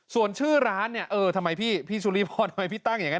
ส่วนชื่อร้านเนี่ยเออทำไมพี่สุริพรทำไมพี่ตั้งอย่างนั้น